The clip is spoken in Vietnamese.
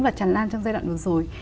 và tràn lan trong giai đoạn vừa rồi